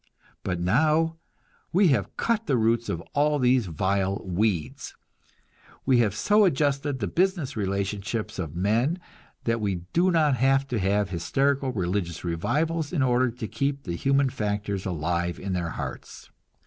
But now we have cut the roots of all these vile weeds. We have so adjusted the business relationships of men that we do not have to have hysterical religious revivals in order to keep the human factors alive in their hearts.